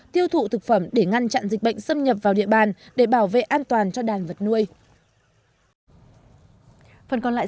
tiêu thụ thực phẩm để ngăn chặn dịch bệnh xâm nhập vào địa bàn để bảo vệ an toàn cho đàn vật nuôi